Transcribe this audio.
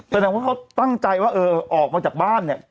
แสดงว่าเขาตั้งใจว่าเออออกมาจากบ้านเนี่ย